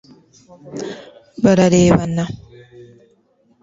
bararebana